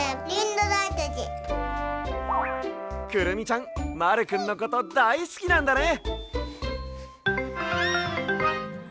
くるみちゃんまるくんのことだいすきなんだね。